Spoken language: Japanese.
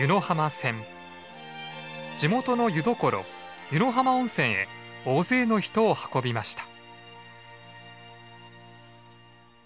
地元の湯どころ湯野浜温泉へ大勢の人を運びました。